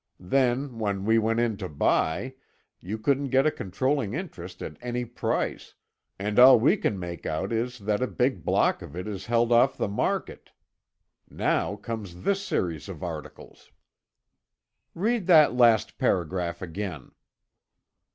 Then when we went in to buy, you couldn't get a controlling interest at any price, and all we can make out is that a big block of it is held off the market. Now comes this series of articles." "Read that last paragraph again."